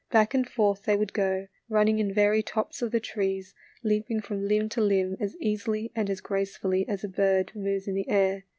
Back and forth they would go, running in the very tops of the trees, leaping from limb to limb as easily and as gracefully as a bird moves in the air.